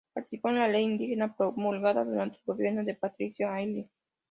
Participó en la ley indígena promulgada durante el gobierno de Patricio Aylwin.